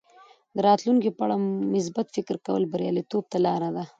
د راتلونکي په اړه مثبت فکر کول بریالیتوب ته لاره ده.